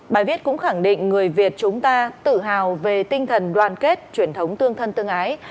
bài viết cũng khẳng định người việt chúng ta tự hào về tinh thần đoàn kết truyền thống tương thân tương ái